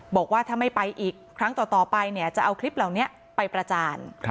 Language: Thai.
บอกว่าถ้าไม่ไปอีกครั้งต่อไปเนี่ยจะเอาคลิปเหล่านี้ไปประจาน